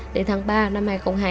đến tháng ba năm hai nghìn hai mươi hai